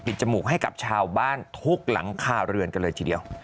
จมูกให้กับชาวบ้านทุกหลังคาเรือนกันเลยทีเดียว